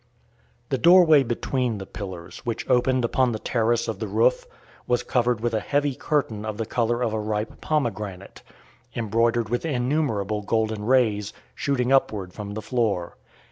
The doorway between the pillars, which opened upon the terrace of the roof, was covered with a heavy curtain of the colour of a ripe pomegranate, embroidered with innumerable golden rays shooting upward from the floor.